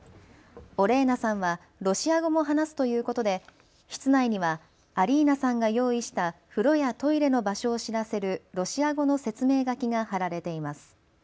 オレーナさんはロシア語も話すということで室内にはアリーナさんが用意した風呂やトイレの場所を知らせるロシア語の説明書きが貼られています。